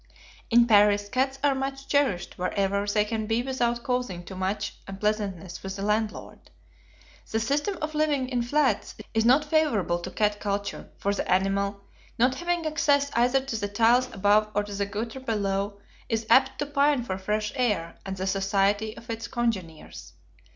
In Paris cats are much cherished wherever they can be without causing too much unpleasantness with the landlord. The system of living in flats is not favorable to cat culture, for the animal, not having access either to the tiles above or to the gutter below, is apt to pine for fresh air, and the society of its congeners.